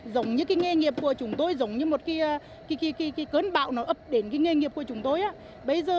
giống như cái nghề nghiệp của chúng tôi giống như một cái cơn bạo nó ấp đến cái nghề nghiệp của chúng tôi á